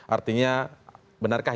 artinya benarkah ini